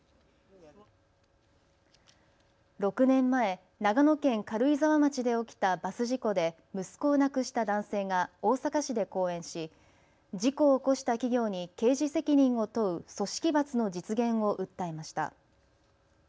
６年前、長野県軽井沢町で起きたバス事故で息子を亡くした男性が大阪市で講演し事故を起こした企業に刑事責任を問う組織罰の実現を訴えました。